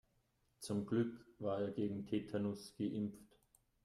Zum Glück war er gegen Tetanus geimpft.